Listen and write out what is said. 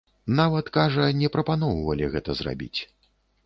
Нават, кажа, не прапаноўвалі гэта зрабіць.